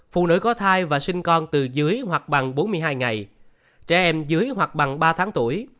phụ nữ có thai và sinh con từ dưới hoặc bằng bốn mươi hai ngày trẻ em dưới hoặc bằng ba tháng tuổi